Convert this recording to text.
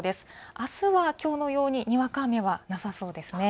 あすはきょうのようににわか雨はなさそうですね。